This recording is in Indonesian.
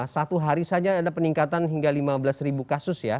satu hari saja ada peningkatan hingga lima belas ribu kasus ya